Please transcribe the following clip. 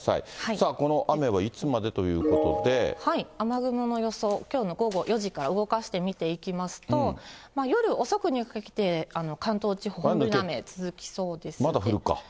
さあ、この雨はいつまでというこ雨雲の予想、きょうの午後４時から動かして見ていきますと、夜遅くにかけて、関東地方、まだ降るか。